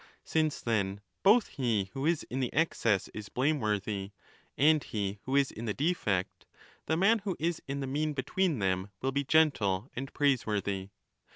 iigi" MAGNA MORALIA 35 since then both he who is in the excess is blameworthy and he who is in the defect, the man who is in the mean between them will be gentle and praiseworthy.